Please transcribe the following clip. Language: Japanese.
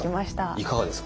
いかがですか？